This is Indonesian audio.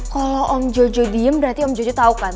kalau om jojo diem berarti om jojo tahu kan